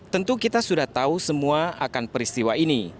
tentu kita sudah tahu semua akan peristiwa ini